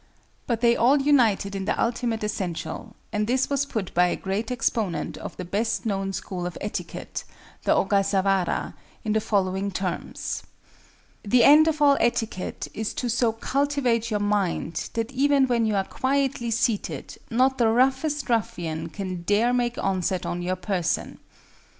But they all united in the ultimate essential, and this was put by a great exponent of the best known school of etiquette, the Ogasawara, in the following terms: "The end of all etiquette is to so cultivate your mind that even when you are quietly seated, not the roughest ruffian can dare make onset on your person."